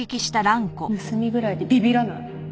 盗みぐらいでビビらない！